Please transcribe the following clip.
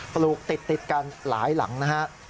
ปลูกติดกันหลายหลังนะฮะ